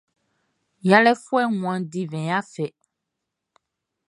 Yalé foué wan divin ya fê.